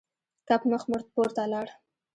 کب مخ پورته لاړ.